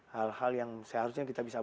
hal hal yang seharusnya kita bisa